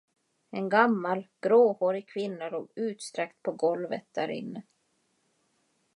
En gammal, gråhårig kvinna låg utsträckt på golvet därinne.